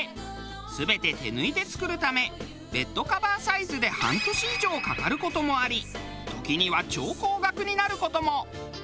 全て手縫いで作るためベッドカバーサイズで半年以上かかる事もあり時には超高額になる事も。